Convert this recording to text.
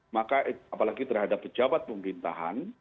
maka apalagi terhadap pejabat pemerintahan